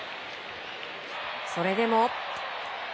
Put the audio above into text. それでも。